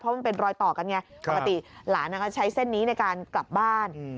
มันเป็นรอยต่อกันไงปกติหลานก็ใช้เส้นนี้ในการกลับบ้าน